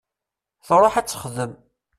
Truḥ ad texdem.